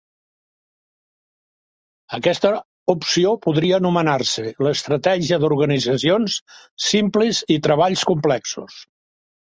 Aquesta opció podria anomenar-se l'estratègia d'"organitzacions simples i treballs complexos".